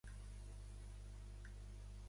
Dimecres na Dèlia irà a l'Alcúdia de Veo.